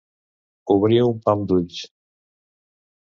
Obrir un pam d'ulls.